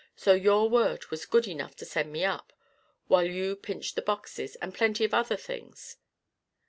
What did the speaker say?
So your word was good enough to send me up while you pinched the boxes, and plenty of other things.